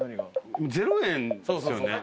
０円ですよね？